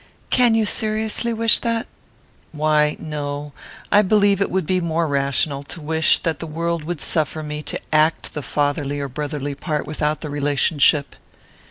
"Can you seriously wish that?" "Why, no. I believe it would be more rational to wish that the world would suffer me to act the fatherly or brotherly part, without the relationship."